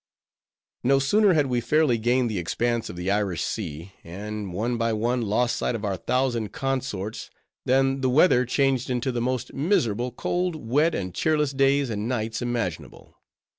No sooner had we fairly gained the expanse of the Irish Sea, and, one by one, lost sight of our thousand consorts, than the weather changed into the most miserable cold, wet, and cheerless days and nights imaginable.